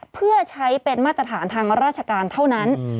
เพื่อใช้เป็นมาตรฐานทางราชการเท่านั้น